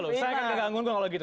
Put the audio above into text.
saya akan diganggu kalau begitu